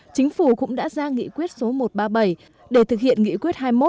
chính phủ cũng đã ra nghị quyết số một trăm ba mươi bảy để thực hiện nghị quyết hai mươi một